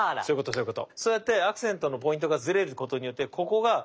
そういうこと。